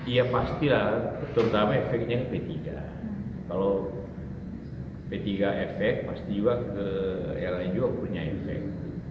iya pastilah terutama efeknya p tiga kalau p tiga efek pasti juga rni juga punya efek